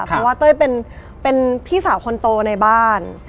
เพราะว่าเต้ยเป็นพี่สาวคนโตในบ้าน